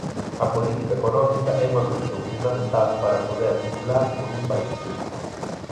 A política económica é unha cuestión fundamental para poder pular por un país.